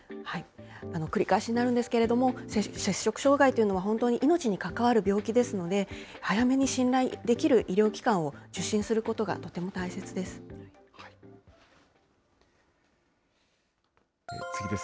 繰り返しになるんですけれども、摂食障害というのは、本当に命に関わる病気ですので、早めに信頼できる医療機関を受診することがとても大切です。